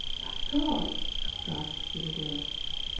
"My God!" gasped Jimmie Dale.